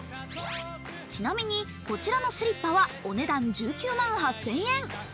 ちなみにこちらのスリッパはお値段１９万８０００円。